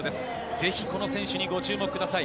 ぜひこの選手にご注目ください。